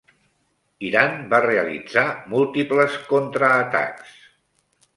Iran va realitzar múltiples contraatacs.